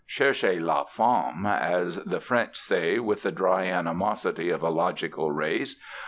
"Cherchez la femme," as the French say with the dry animosity of a logical race.